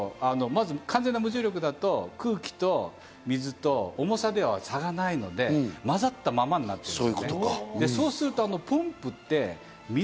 でも無重力だと完全な無重力だと、空気と水と重さでは差がないので、混ざったままになっている。